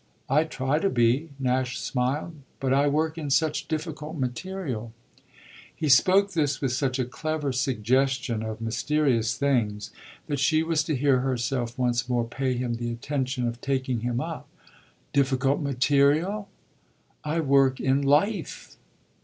"I try to be," Nash smiled, "but I work in such difficult material." He spoke this with such a clever suggestion of mysterious things that she was to hear herself once more pay him the attention of taking him up. "Difficult material?" "I work in life!"